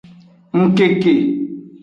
Ngkeke.